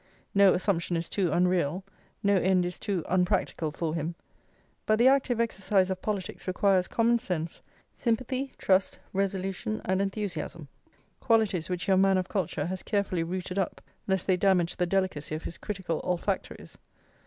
No assumption is too unreal, no end is too unpractical for him. But the active exercise of politics requires common sense, sympathy, trust, resolution and enthusiasm, qualities which your man of culture has carefully rooted up, lest they damage the delicacy of his critical olfactories.